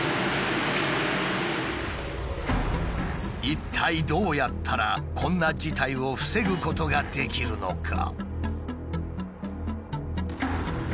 一体どうやったらこんな事態を防ぐことができるのか？